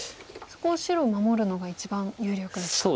そこは白守るのが一番有力ですか。